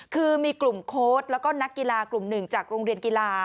คือมีกลุ่มโค้ดแล้วก็นักกีฬากลุ่มหนึ่งจากโรงเรียนกีฬา